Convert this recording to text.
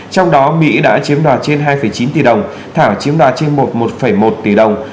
trong đó mỹ đã chiếm đoạt trên hai chín tỷ đồng thả chiếm đoạt trên một một tỷ đồng